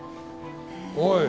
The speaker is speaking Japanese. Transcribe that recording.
おい。